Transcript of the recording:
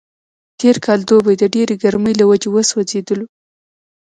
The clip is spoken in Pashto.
تېر کال دوبی د ډېرې ګرمۍ له وجې وسوځېدلو.